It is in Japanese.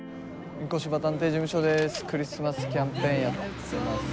御子柴探偵事務所です。